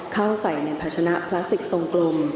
ข้าวใส่ในภาชนะพลาสติกทรงกลม